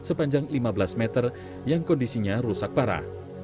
sepanjang lima belas meter yang kondisinya rusak parah